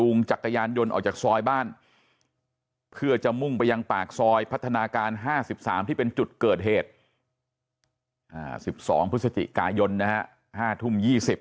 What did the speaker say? นาการ๕๓ที่เป็นจุดเกิดเหตุ๑๒พฤศจิกายนนะฮะ๕ทุ่ม๒๐